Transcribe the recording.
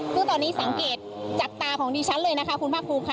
ซึ่งตอนนี้สังเกตจากตาของดิฉันเลยนะคะคุณภาคภูมิค่ะ